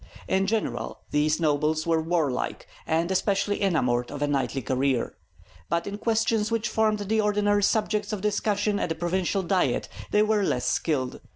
In general, these nobles were warlike, and especially enamoured of a knightly career; but in questions which formed the ordinary subjects of discussion at a provincial diet they were less skilled.